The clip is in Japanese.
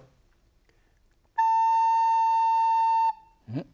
うん。